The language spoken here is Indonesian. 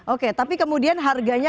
oke tapi kemudian harganya